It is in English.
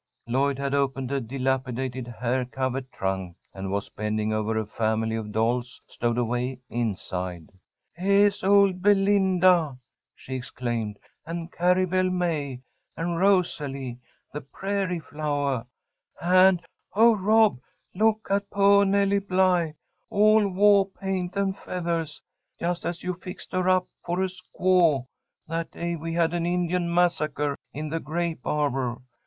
Lloyd had opened a dilapidated hair covered trunk, and was bending over a family of dolls stowed away inside. "Heah is old Belinda!" she exclaimed. "And Carrie Belle May, and Rosalie, the Prairie Flowah! 'And, oh, Rob! Look at poah Nelly Bly, all wah paint and feathahs, just as you fixed her up for a squaw that day we had an Indian massacre in the grape arbour.